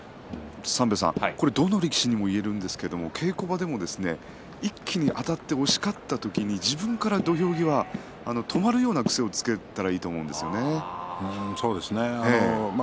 これは、どの力士にも言えると思うんですが稽古場で一気にあたって押し勝った時に自分で土俵際止まるような癖をつけたらそうですね。